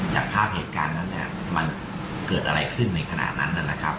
จากภาพเหตุการณ์นั้นเนี่ยมันเกิดอะไรขึ้นในขณะนั้นนะครับ